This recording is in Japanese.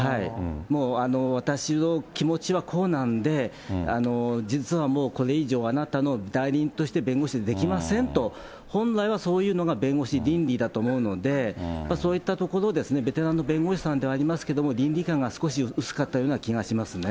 もう私の気持ちはこうなんで、実はもうこれ以上あなたの代理人として弁護士できませんと、本来はそういうのが弁護士倫理だと思うので、やっぱりそういったところですね、ベテランの弁護士さんではありますけれども、倫理観が少し薄かったような気がしますね。